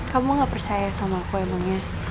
kamu gak percaya sama aku emangnya